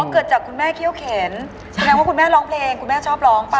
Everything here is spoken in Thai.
เกิดจากคุณแม่เขี้ยวเข็นแสดงว่าคุณแม่ร้องเพลงคุณแม่ชอบร้องป่